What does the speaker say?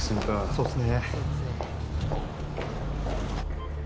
そうっすね。